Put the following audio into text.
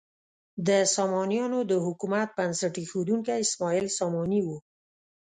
د سامانیانو د حکومت بنسټ ایښودونکی اسماعیل ساماني و.